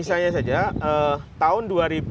saya saja tahun dua ribu